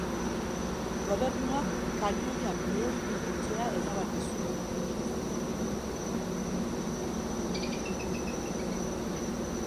Gobernuak kanoiak lehoi bihurtzea erabaki zuen.